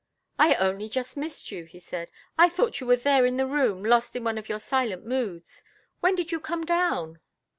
"I only just missed you," he said. "I thought you were there in the room lost in one of your silent moods. When did you come down?"